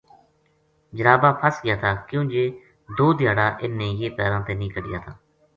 جرابا پھس گیا تھا کیوں جے دو دھیا ڑا اِنھ نے یہ پیراں تے نیہہ کڈھیا تھا۔